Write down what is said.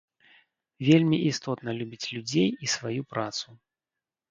Вельмі істотна любіць людзей і сваю працу.